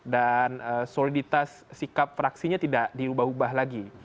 soliditas sikap fraksinya tidak diubah ubah lagi